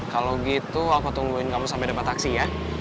kalau gitu aku tungguin kamu sampai dapet taksi ya